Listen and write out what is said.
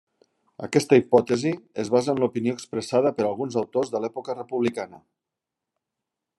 Aquesta hipòtesi es basa en l'opinió expressada per alguns autors de l'època republicana.